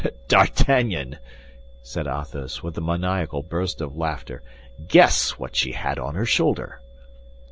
D'Artagnan," said Athos, with a maniacal burst of laughter, "guess what she had on her shoulder."